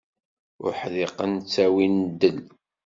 Uḥdiqen ttawin ddel.